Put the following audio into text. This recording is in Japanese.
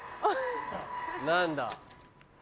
何だ？